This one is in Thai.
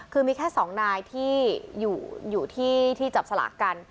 คือมีแค่๒นายที่อยู่ที่จับสลากกัน